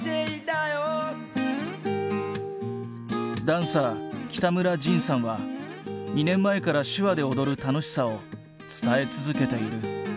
ダンサー北村仁さんは２年前から手話で踊る楽しさを伝え続けている。